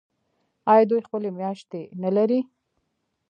آیا دوی خپلې میاشتې نلري؟